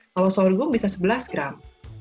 kalau sorghum bisa sebelas gram